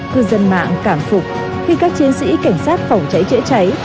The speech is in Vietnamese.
khu dân mạng cảm phục khi các chiến sĩ cảnh sát phòng cháy trễ cháy